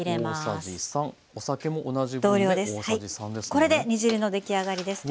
これで煮汁の出来上がりです。